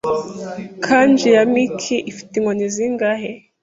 Kanji ya "michi" ifite inkoni zingahe?